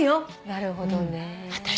なるほどね。